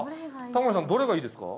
タモリさんどれがいいですか？